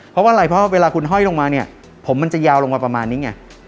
เพราะว่าอะไรเพราะเวลาคุณห้อยลงมาเนี่ยผมมันจะยาวลงมาประมาณนี้ไง